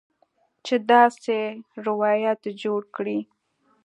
چې داسې روایت جوړ کړي